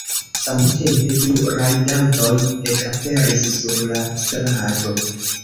Samtempe du rajdantoj ekaperis sur la strato.